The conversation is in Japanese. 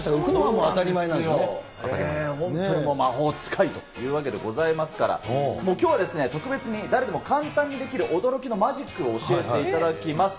本当に魔法使いというわけでございますから、きょうは特別に誰でも簡単にできる驚きのマジックを教えていただきます。